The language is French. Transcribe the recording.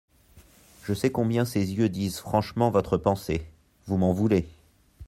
Je sais combien ces yeux disent franchement votre pensée … Vous m'en voulez.